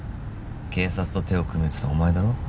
警察と手を組めっつったのはお前だろ？